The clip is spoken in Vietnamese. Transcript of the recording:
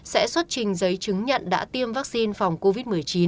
sẽ xuất trình giấy chứng nhận đã tiêm vaccine phòng covid một mươi chín